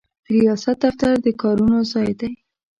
د ریاست دفتر د کارونو ځای دی.